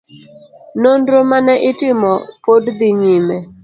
Nonro mane itimo pod dhi nyime.